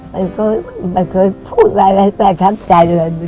มันเคยพูดอะไรมันให้แม่คับใจเลยมีความดี